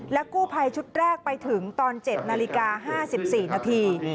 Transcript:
กู้ภัยชุดแรกไปถึงตอน๗นาฬิกา๕๔นาที